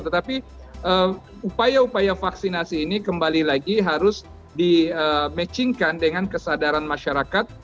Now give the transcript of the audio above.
tetapi upaya upaya vaksinasi ini kembali lagi harus di matchingkan dengan kesadaran masyarakat